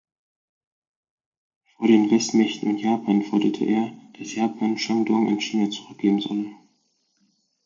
Vor den Westmächten und Japan forderte er, dass Japan Shandong an China zurückgeben solle.